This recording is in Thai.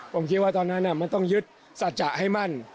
ผมคิดว่าตอนนั้นมันต้องยึดสัจจะให้มั่น